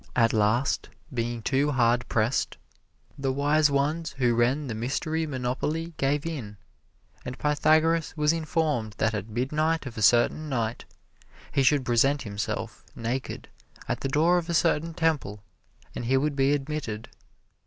At last, being too hard pressed, the wise ones who ran the mystery monopoly gave in, and Pythagoras was informed that at midnight of a certain night, he should present himself, naked, at the door of a certain temple and he would be admitted.